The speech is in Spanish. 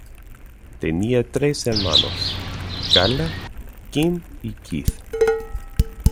Tenía tres hermanos: Carla, Kim y Keith.